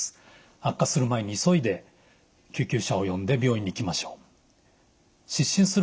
悪化する前に急いで救急車を呼んで病院に行きましょう。